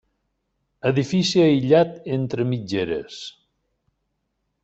Edifici aïllat entre mitgeres.